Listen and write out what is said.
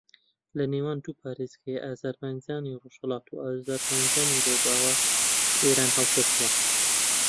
لە نێوان دوو پارێزگای ئازەربایجانی ڕۆژھەڵات و ئازەربایجانی ڕۆژاوای ئێران ھەڵکەوتووە